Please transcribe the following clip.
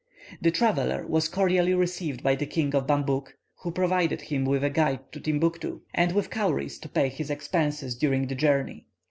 The traveller was cordially received by the King of Bambouk, who provided him with a guide to Timbuctoo, and with cowries to pay his expenses during the journey.